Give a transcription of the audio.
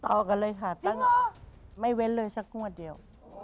ต่อกันเลยค่ะไม่เว้นเลยสักโน๊ตเดียว